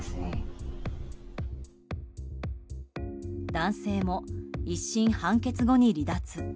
男性も１審判決後に離脱。